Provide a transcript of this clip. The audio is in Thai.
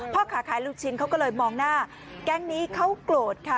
พ่อค้าขายลูกชิ้นเขาก็เลยมองหน้าแก๊งนี้เขาโกรธค่ะ